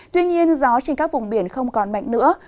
tuy nhiên gió trên các vùng biển không còn mạnh nữa